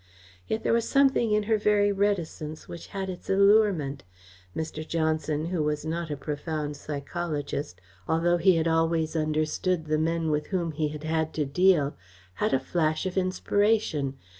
Yet there was something in her very reticence which had its allurement. Mr. Johnson, who was not a profound psychologist, although he had always understood the men with whom he had had to deal, had a flash of inspiration.